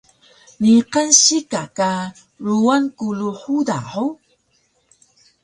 Niqan sika ka ruwan kulu huda hug?